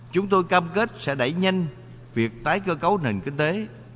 chúng tôi cam kết sẽ đẩy nhanh việc tái cơ cấu nền kinh tế